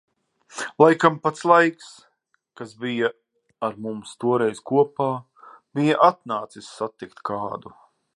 Laikam pats Laiks, kas bija ar mums toreiz kopā, bija atnācis satikt kādu.